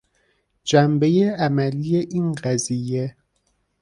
جنبهی عملی این قضیه